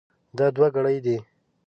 دا دوه ګړۍ دي.